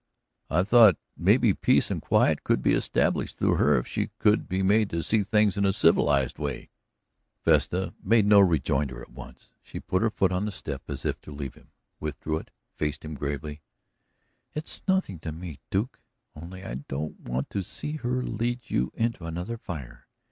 "I thought maybe peace and quiet could be established through her if she could be made to see things in a civilized way." Vesta made no rejoinder at once. She put her foot on the step as if to leave him, withdrew it, faced him gravely. "It's nothing to me, Duke, only I don't want to see her lead you into another fire.